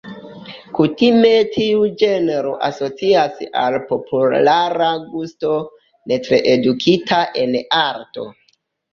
Kutime tiu ĝenro asocias al populara gusto, ne tre edukita en arto.